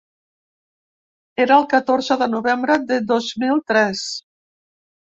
Era el catorze de novembre de dos mil tres.